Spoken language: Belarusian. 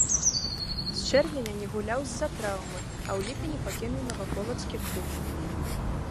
З чэрвеня не гуляў з-за траўмы, а ў ліпені пакінуў наваполацкі клуб.